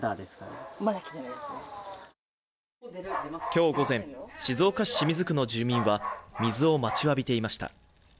今日午前、静岡市清水区の住民は水を待ちわびていました。